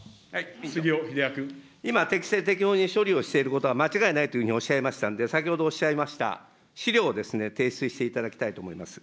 今、適正適法に処理をしていることは間違いないというふうにおっしゃいましたんで、先ほどおっしゃいました、資料をですね、提出していただきたいと思います。